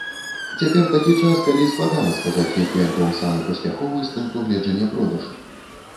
Цяпер такі час, калі складана сказаць, які альбом самы паспяховы з пункту гледжання продажу.